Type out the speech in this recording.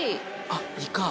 あっイカ。